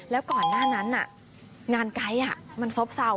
แล้วก่อนหน้านั้นงานไกด์มันซบเซา